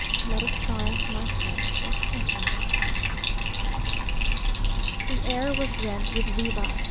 Let us triumph, my friends, etc. The air was rent with vivas!